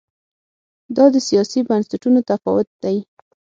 دا د سیاسي بنسټونو تفاوت دی.